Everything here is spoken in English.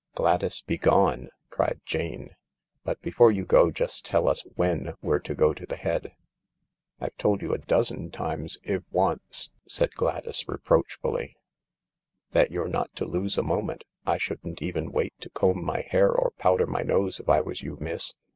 " Gladys, begone !" cried Jane ;" but before you go just tell us when we're to go to the Head." " I've told you a dozen times, if once," said Gladys re proachfully, " that you're not to lose a moment. I shouldn't even wait to comb my hair or powder my nose if I was you, miss.